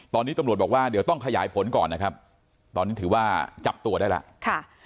ตอนนี้ตำรวจบอกว่าเดี๋ยวต้องขยายผลก่อนนะครับตอนนี้ถือว่าจับตัวได้แล้วค่ะ